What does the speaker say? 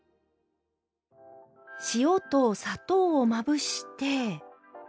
塩と砂糖をまぶして。